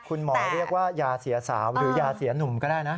คุณหมอเรียกว่ายาเสียสาวหรือยาเสียหนุ่มก็ได้นะ